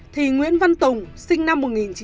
thì nguyễn văn tùng sinh năm một nghìn chín trăm chín mươi ba